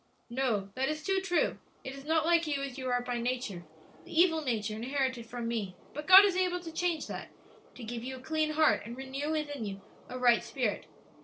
"No, that is too true; it is not like you as you are by nature the evil nature inherited from me; but God is able to change that, to give you a clean heart and renew within you a right spirit.